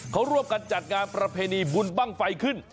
เขาร่วมกันจัดงานประเพณีบุญบ้างไฟขึ้น